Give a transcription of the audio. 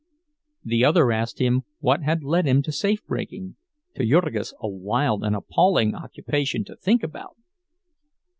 The other asked him what had led him to safe breaking—to Jurgis a wild and appalling occupation to think about.